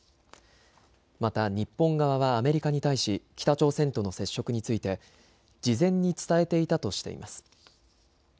また日本側はアメリカに対し北朝鮮との接触について事前に伝えていたとしています。